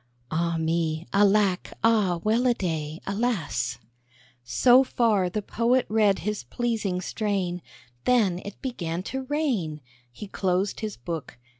(Alas! Alack! Ah, well a day! Ah me!) So far the Poet read his pleasing strain, Then it began to rain: He closed his book.